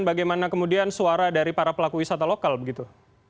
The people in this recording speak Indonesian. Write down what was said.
bagaimana kemudian suara dari para pelaku wisata lokal begitu